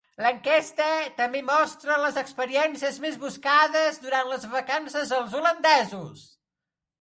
L'enquesta també mostra les experiències més buscades durant les vacances dels holandesos.